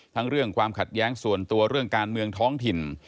เรื่องความขัดแย้งส่วนตัวเรื่องการเมืองท้องถิ่น